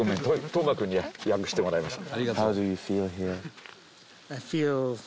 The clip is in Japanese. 登眞君に訳してもらいました。